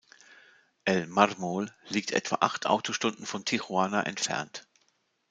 El Mármol liegt etwa acht Autostunden von Tijuana entfernt.